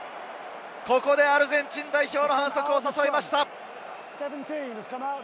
ここでアルゼンチン代表の反則を誘いました。